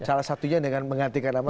salah satunya dengan menggantikan nama